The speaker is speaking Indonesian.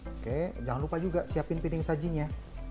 oke jangan lupa juga siapin piring sajinya